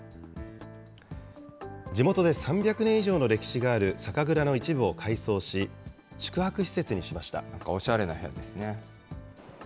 地元で３００年以上の歴史がある酒蔵の一部を改装し、宿泊施設におしゃれな部屋ですね。